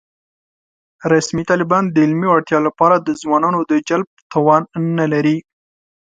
رسمي طالبان د علمي وړتیا له پاره د ځوانانو د جلب توان نه لري